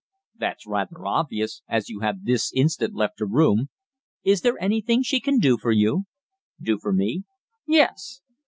"That's rather obvious, as you have this instant left her room. Is there anything she can do for you?" "Do for me?" "Yes."